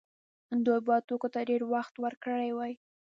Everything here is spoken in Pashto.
دوی باید توکو ته ډیر وخت ورکړی وای.